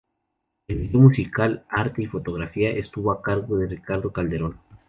El vídeo musical, arte y fotografía estuvo a cargo de Ricardo Calderón.